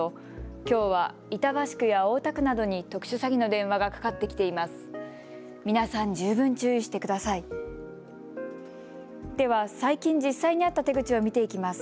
きょうは板橋区や大田区などに特殊詐欺の電話がかかってきています。